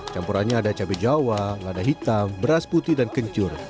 campurannya ada cabai jawa lada hitam beras putih dan kencur